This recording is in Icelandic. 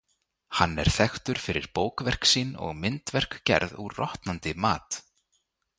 Hann er þekktur fyrir bókverk sín og myndverk gerð úr rotnandi mat.